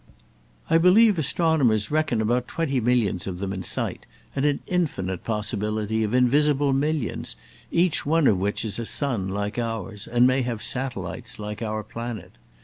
I believe astronomers reckon about twenty millions of them in sight, and an infinite possibility of invisible millions, each one of which is a sun, like ours, and may have satellites like our planet.